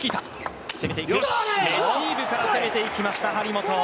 レシーブから攻めていきました、張本。